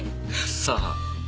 さあ。